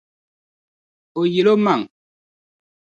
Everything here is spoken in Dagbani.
O yil’ omaŋ’.